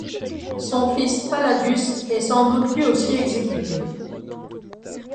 Son fils Palladius est sans doute lui aussi exécuté.